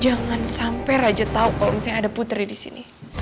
jangan sampai raja tau kalau misalnya ada putri disini